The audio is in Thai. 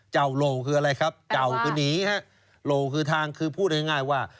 เจ้าโลคือไรครับเจ้าคือหนีครับโลคือทางคือพูดง่ายว่า